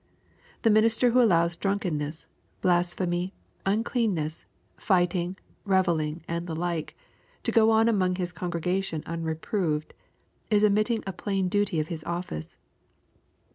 The minister who allows drunkenness, blas phemy, uncleanness, fighting, revelling, and the like, to go on am^ng his congregation unreproved, is omitting a plain duty of his oflSce.